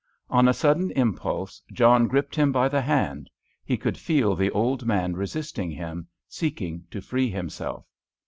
On a sudden impulse, John gripped him by the hand; he could feel the old man resisting him, seeking to free himself.